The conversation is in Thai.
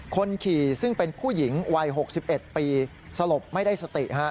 คนขี่ซึ่งเป็นผู้หญิงวัย๖๑ปีสลบไม่ได้สติ